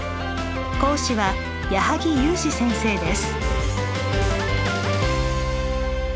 講師は矢作裕滋先生です。